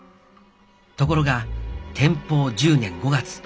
ところが天保１０年５月。